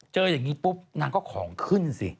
เจออย่างนี้ปุ๊บนางก็ของขึ้นสิ